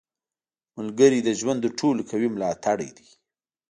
• ملګری د ژوند تر ټولو قوي ملاتړی دی.